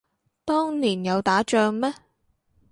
當年有打仗咩